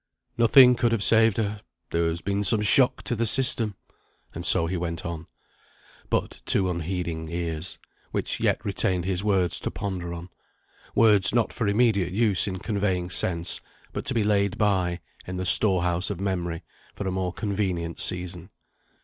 "Nothing could have saved her there has been some shock to the system " and so he went on; but, to unheeding ears, which yet retained his words to ponder on; words not for immediate use in conveying sense, but to be laid by, in the store house of memory, for a more convenient season.